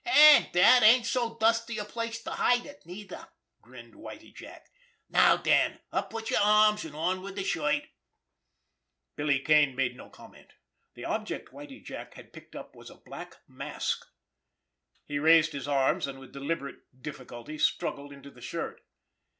"An' dat ain't so dusty a place to hide it, neither!" grinned Whitie Jack. "Now den, up wid yer arms, an' on wid de shirt." Billy Kane made no comment. The object Whitie Jack had picked up was a black mask. He raised his arms, and with deliberate difficulty struggled into the shirt.